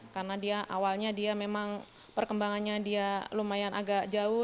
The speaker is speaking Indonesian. karena dia awalnya dia memang perkembangannya dia lumayan agak jauh